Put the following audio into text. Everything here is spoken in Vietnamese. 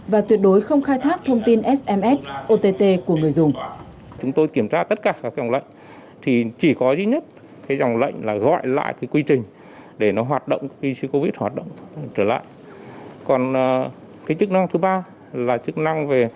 và tuyệt đối không khai thác thông tin sms ott của người dùng